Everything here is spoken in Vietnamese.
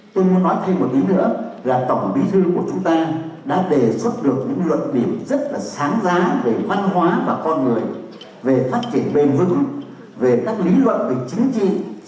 tôi muốn nói thêm một tí nữa là tổng bí thư của chúng ta đã đề xuất được những luận điểm rất là sáng giá về văn hóa và con người